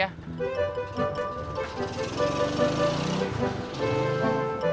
bang ocak terima kasih ya